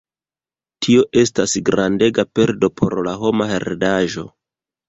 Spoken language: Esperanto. Tio estas grandega perdo por la homa heredaĵo.